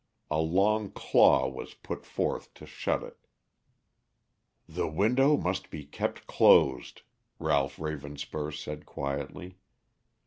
A long claw was put forth to shut it. "The window must be kept closed," Ralph Ravenspur said quietly.